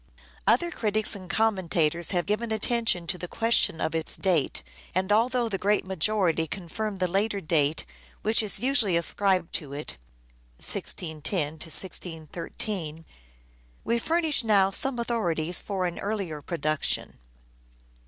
Other critics and commentators have given attention to the question of its date, and although the great majority confirm the later date which is usually ascribed to it (1610 1613), we furnish now some authorities for an earlier production.